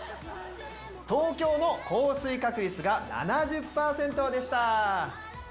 東京の降水確率が７０％でした。